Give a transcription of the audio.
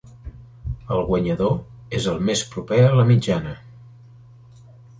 El guanyador és el més proper a la mitjana.